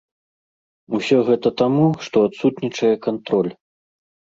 Усё гэта таму, што адсутнічае кантроль.